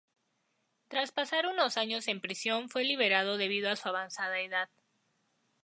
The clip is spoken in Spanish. Tras pasar unos años en prisión fue liberado debido a su avanzada edad.